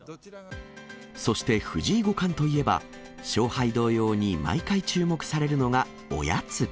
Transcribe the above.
そして、藤井五冠といえば、勝敗同様に毎回注目されるのがおやつ。